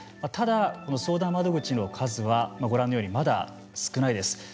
ただ相談窓口の数はご覧のようにまだ少ないです。